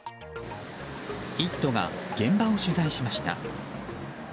「イット！」が現場を取材しました。